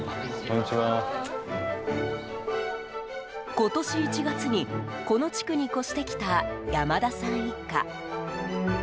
今年１月にこの地区に越してきた山田さん一家。